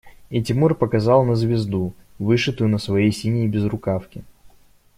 И Тимур показал на звезду, вышитую на своей синей безрукавке.